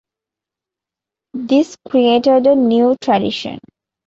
This created a new tradition.